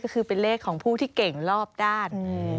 ก็คือเป็นเลขของผู้ที่เก่งรอบด้าน